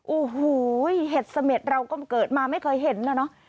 โอ้โหเห็ดเสม็ดเราก็เกิดมาไม่เคยเห็นนะเนอะ